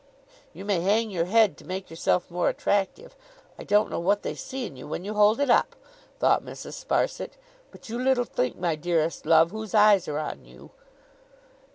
'You may hang your head, to make yourself the more attractive; I don't know what they see in you when you hold it up,' thought Mrs. Sparsit; 'but you little think, my dearest love, whose eyes are on you!